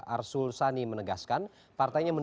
arsul sani menegaskan